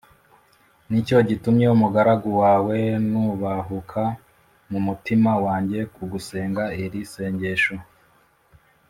ni cyo gitumye umugaragu wawe nubahuka mu mutima wanjye kugusenga iri sengesho.